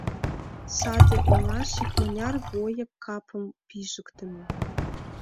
Саде оҥаш икмыняр воьык капым пижыктыме.